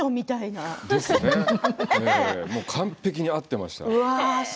完璧に合ってました。